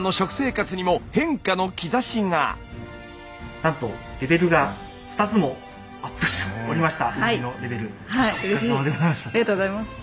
なんとレベルが２つもアップしておりました。